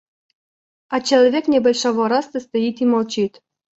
А человек небольшого роста стоит и молчит.